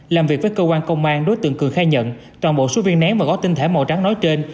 làm việc với cơ quan công an đối tượng cường khai nhận toàn bộ số viên nén và gói tinh thể màu trắng nói trên